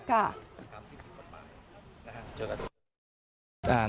ค่ะจนกระทั่ง